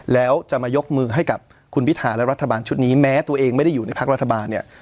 แล้วจะมายกมือให้กับคุณพิธาและรัฐบาลชุดนี้แม้ตัวเองไม่ได้อยู่ในพักรัฐบาลเนี่ย